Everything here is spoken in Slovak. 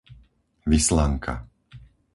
Vislanka